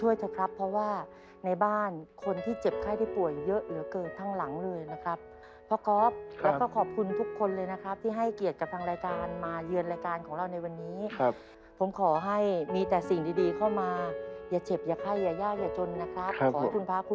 เหลืออีกเพียงกล่องเดียวเท่านั้นกับเงิน๑ล้านบาท